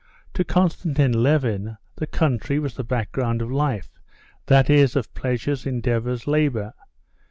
To Konstantin Levin the country was the background of life, that is of pleasures, endeavors, labor.